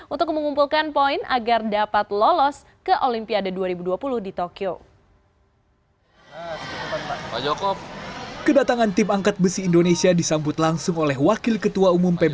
untuk mengumpulkan poin agar dapat lolos ke olimpiade dua ribu dua puluh di tokyo